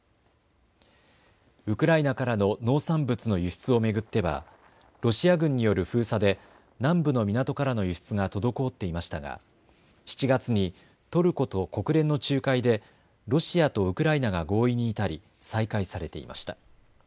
ウクライナからの農産物の輸出を巡ってはロシア軍による封鎖で南部の港からの輸出が滞っていましたが７月にトルコと国連の仲介でロシアとウクライナが合意に至り再開されていました。